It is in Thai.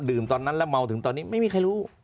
ตอนนั้นแล้วเมาถึงตอนนี้ไม่มีใครรู้